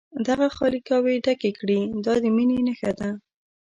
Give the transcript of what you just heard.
دغه خالي ګاوې ډکې کړي دا د مینې نښه ده.